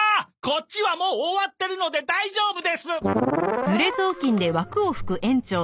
こっちはもう終わってるので大丈夫です！